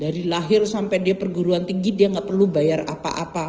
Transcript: dari lahir sampai dia perguruan tinggi dia nggak perlu bayar apa apa